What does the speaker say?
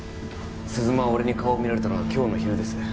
鈴間は俺に顔を見られたのが今日の昼です